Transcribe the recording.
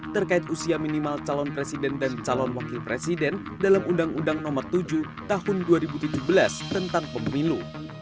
terkait usia minimal calon presiden dan calon wakil presiden dalam undang undang nomor tujuh tahun dua ribu tujuh belas tentang pemilu